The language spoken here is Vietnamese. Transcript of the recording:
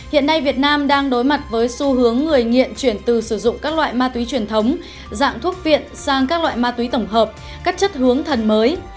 hiện nay việt nam đang đối mặt với xu hướng người nghiện chuyển từ sử dụng các loại ma túy truyền thống dạng thuốc viện sang các loại ma túy tổng hợp các chất hướng thần mới